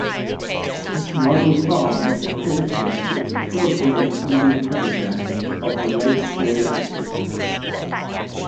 This model farm was accredited for its purebred breeding program of the race Jerseys.